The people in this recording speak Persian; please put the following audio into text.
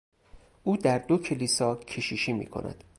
او در دو کلیسا کشیشی میکند.